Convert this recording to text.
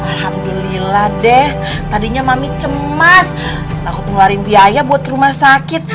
alhamdulillah deh tadinya mami cemas takut ngeluarin biaya buat rumah sakit